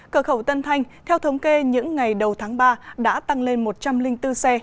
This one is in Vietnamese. cửa khẩu tân thanh theo thống kê những ngày đầu tháng ba đã tăng lên một trăm linh bốn xe